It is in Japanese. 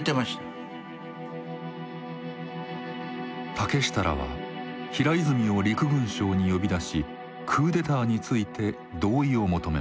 竹下らは平泉を陸軍省に呼び出しクーデターについて同意を求めます。